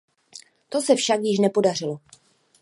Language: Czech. To se však již nepodařilo.